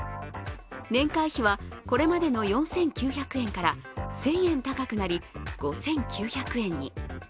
年会費はこれまでの４９００円から１０００円高くなり、５９００円に。